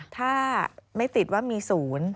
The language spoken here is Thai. ถ้าไม่ติดว่ามีศูนย์